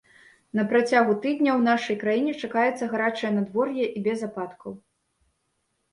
На працягу тыдня ў нашай краіне чакаецца гарачае надвор'е і без ападкаў.